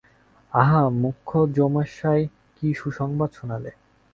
আহা মুখুজ্যেমশায়, কী সুসংবাদ শোনালে!